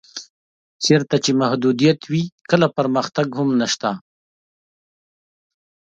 چېرته چې محدودیت وي کله پرمختګ هم نشته.